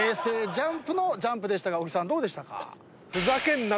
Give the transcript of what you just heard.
ＪＵＭＰのジャンプでしたが小木さんどうでしたか？